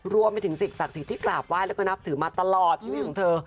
รวมไปถึงสิ่งศักดิ์สิทธิ์ที่กราบไห้แล้วก็นับถือมาตลอดชีวิตของเธอ